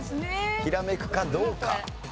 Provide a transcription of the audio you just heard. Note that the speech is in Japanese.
ひらめくかどうか。